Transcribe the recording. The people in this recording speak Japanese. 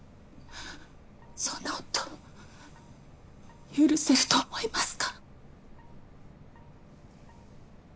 そんな夫許せると思いますか？